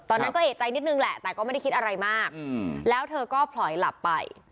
ตอนนั้นก็เอกใจนิดนึงแหละแต่ก็ไม่ได้คิดอะไรมากแล้วเธอก็ผลอยหลับไป